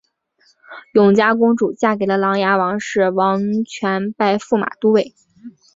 永嘉公主嫁给了琅琊王氏王铨拜驸马都尉。